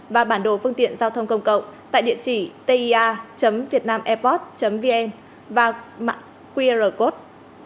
và bản đồ phương tiện giao thông công cộng tại địa chỉ tir vietnamairport vn và mạng qr code